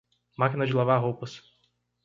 Máquina de lavar roupas.